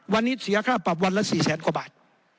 วันนี้เสียค่าปรับวันละ๔แสนกว่าบาท